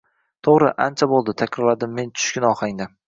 Toʻgʻri, ancha boʻldi, – takrorladim men tushkun ohangda.